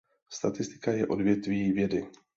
Statistika je odvětví vědy.